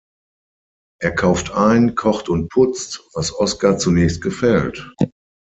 Er kauft ein, kocht und putzt, was Oscar zunächst gefällt.